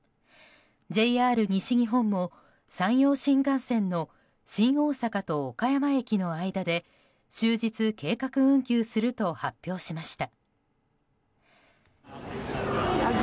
ＪＲ西日本も、山陽新幹線の新大阪駅と岡山駅の間で終日、計画運休すると発表しました。